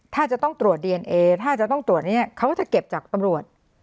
ถ้าจะต้องตรวจดีเอนเอถ้าจะต้องตรวจเนี่ยเขาก็จะเก็บจากตำรวจ